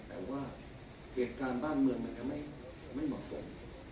แต่ว่าเหตุการณ์บ้านเมืองมันจะไม่เหมาะสม